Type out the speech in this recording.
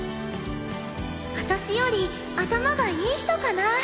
私より頭がいい人かな。